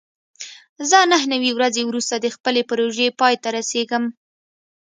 زه نهه نوي ورځې وروسته د خپلې پروژې پای ته رسېږم.